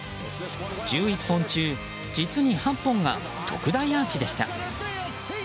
１１本中、実に８本が特大アーチでした。